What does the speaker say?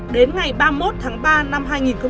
đến ngày ba mươi một tháng ba năm hai nghìn một mươi tám